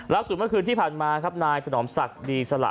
แล้วสู่เมื่อคืนที่ผ่านมาครับนายถนอมศักดีสระ